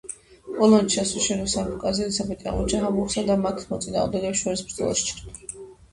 პოლონეთში ჩასვლის შემდეგ, სამეფო კარზე ელიზაბეთი აღმოჩნდა ჰაბსბურგებსა და მათ მოწინააღმდეგეებს შორის ბრძოლაში ჩართული.